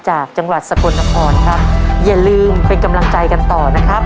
จากจังหวัดสกลนครครับอย่าลืมเป็นกำลังใจกันต่อนะครับ